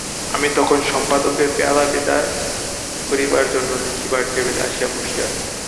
আমি তখন সম্পাদকের পেয়াদা বিদায় করিবার জন্য লিখিবার টেবিলে আসিয়া বসিয়াছি।